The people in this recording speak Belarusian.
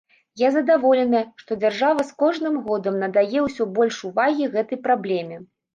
Я задаволеная, што дзяржава з кожным годам надае ўсё больш увагі гэтай праблеме.